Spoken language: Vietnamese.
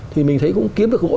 thì mình thấy kiếm được gỗ